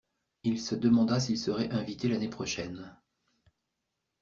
Il se demanda s’il serait invité l’année prochaine.